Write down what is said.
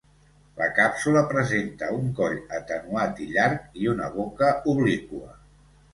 La càpsula presenta un coll atenuat i llarg i una boca obliqua.